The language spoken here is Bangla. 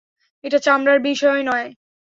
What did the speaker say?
এটা চামড়ার বিষয় না।